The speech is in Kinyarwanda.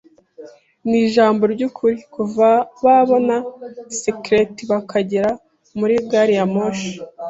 Iri ni ijambo ry'ukuri. ” Kuva babona skeleti bakagera muri gari ya moshi